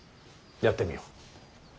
やってみよ。